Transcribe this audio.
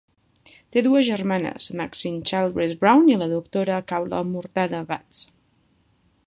Té dues germanes, Maxine Childress Brown i la doctora Khaula Murtadha Watts.